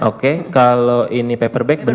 oke kalau ini paperback benar